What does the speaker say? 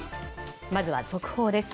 まずは速報です。